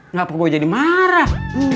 ngapa gue jadi marah